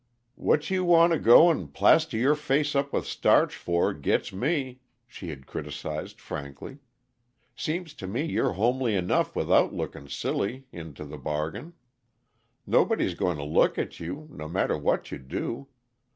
"What you want to go and plaster your face up with starch for, gits me," she had criticised frankly. "Seems to me you're homely enough without lookin' silly, into the bargain. Nobody's going to look at you, no matter what you do.